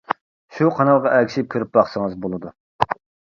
شۇ قانالغا ئەگىشىپ كۆرۈپ باقسىڭىز بولىدۇ.